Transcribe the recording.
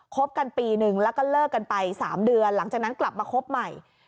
บกันปีนึงแล้วก็เลิกกันไป๓เดือนหลังจากนั้นกลับมาคบใหม่